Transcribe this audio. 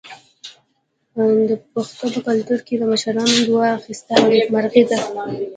د پښتنو په کلتور کې د مشرانو دعا اخیستل نیکمرغي ده.